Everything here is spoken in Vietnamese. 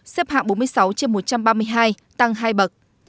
xếp hạng bốn mươi sáu trên một trăm ba mươi hai tăng hai bậc